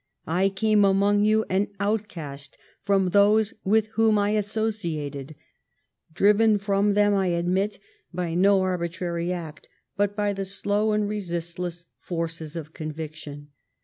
I came among you an out cast from those with whom I associated, driven from them, I admit, by no arbitrary act, but by the slow and resistless forces of conviction.